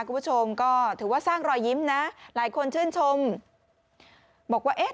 คุณผู้ชมก็ถือว่าสร้างรอยยิ้มนะหลายคนชื่นชมบอกว่าเอ๊ะ